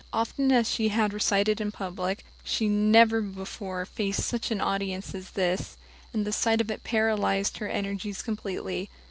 Often as she had recited in public, she had never before faced such an audience as this, and the sight of it paralyzed her energies completely.